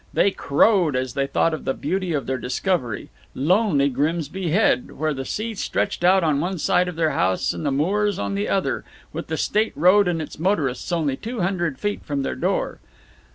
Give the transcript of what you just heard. They crowed as they thought of the beauty of their discovery: lonely Grimsby Head, where the sea stretched out on one side of their house and moors on the other, with the State road and its motorists only two hundred feet from their door.